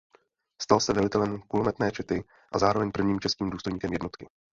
Stal se velitelem kulometné čety a zároveň prvním českým důstojníkem jednotky.